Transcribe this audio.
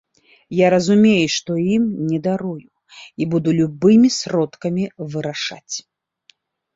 Я разумею, што ім не дарую і буду любымі сродкамі вырашаць.